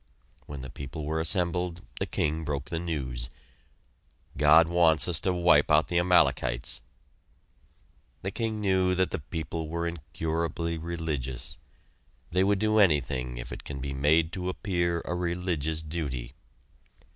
When the people were assembled, the king broke the news: "God wants us to wipe out the Amalekites!" The king knew that the people were incurably religious. They would do anything if it can be made to appear a religious duty.